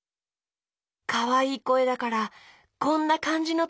かわいいこえだからこんなかんじのとりかな？